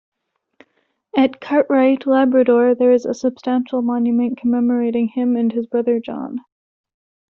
At Cartwright, Labrador, there is a substantial monument commemorating him and his brother John.